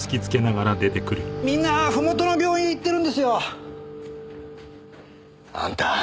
みんなふもとの病院へ行ってるんですよ。あんた！